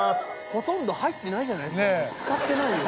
ほとんど入ってないじゃないですかつかってないよ。